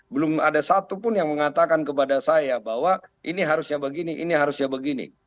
belum ada satupun yang mengatakan kepada saya bahwa ini harusnya begini ini harusnya begini